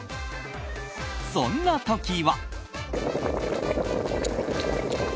そんな時は。